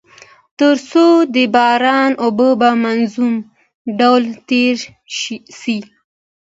تر څو د باران اوبه په منظم ډول تيري سي.